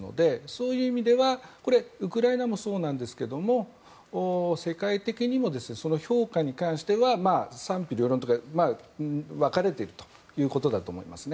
そういう意味ではウクライナもそうなんですけど世界的にもその評価に関しては賛否両論というか分かれているということだと思います。